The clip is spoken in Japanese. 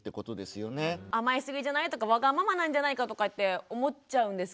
甘えすぎじゃない？とかわがままなんじゃないかとかって思っちゃうんですけど。